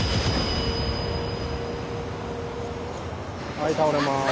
はい倒れます。